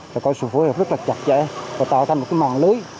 là có sự phối hợp rất là chặt chẽ và tạo thành một mạng lưới